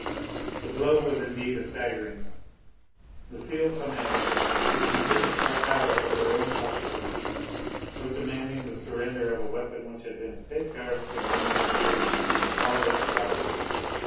The blow was indeed a staggering one. Lucile Clamette, with the invincible power of her own helplessness, was demanding the surrender of a weapon which had been a safeguard for the Montorgueils all this while.